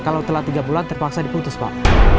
kalau telah tiga bulan terpaksa diputus pak